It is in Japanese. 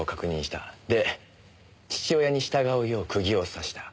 で父親に従うよう釘を刺した。